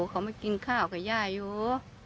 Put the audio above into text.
เขามากินข้าวกับย่าอยู่